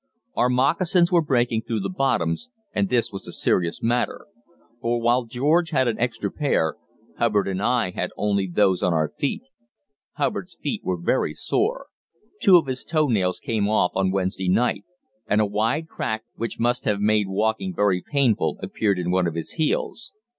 Our moccasins were breaking through the bottoms, and this was a serious matter; for while George had an extra pair, Hubbard and I had only those on our feet. Hubbard's feet were very sore. Two of his toe nails came off on Wednesday night, and a wide crack, which must have made walking very painful, appeared in one of his heels.